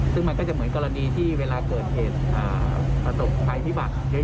ซึ่งมันก็จะเหมือนกรณีที่เวลาเกิดเศตประตบไพภิบัติเยอะ